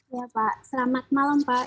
ya pak selamat malam pak